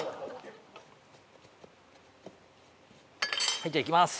はいじゃあいきます。